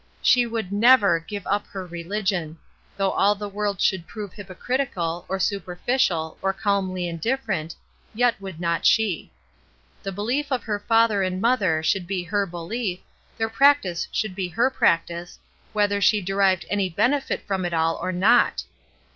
She would never give up her religion; though all the world should prove hypocritical, or super ficial, or calmly indifferent, yet would not she. The behef of her father and mother should be her belief, their practice should be her practice, whether she derived any benefit from it all or not.